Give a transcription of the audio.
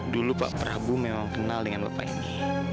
dulu pak prabowo memang kenal dengan bapak ini